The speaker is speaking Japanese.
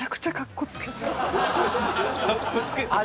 かっこつけてない。